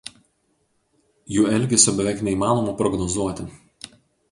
Jų elgesio beveik neįmanoma prognozuoti.